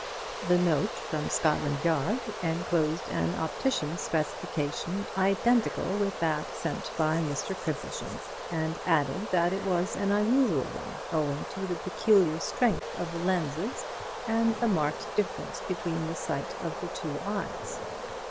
The note from Scotland Yard enclosed an optician's specification identical with that sent by Mr. Crimplesham, and added that it was an unusual one, owing to the peculiar strength of the lenses and the marked difference between the sight of the two eyes.